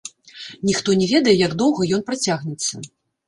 Ніхто не ведае, як доўга ён працягнецца.